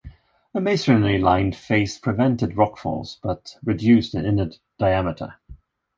A masonry-lined face prevented rock falls, but reduced the inner diameter.